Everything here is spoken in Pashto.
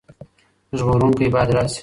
ژغورونکی باید راشي.